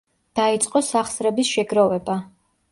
დაიწყო სახსრების შეგროვება.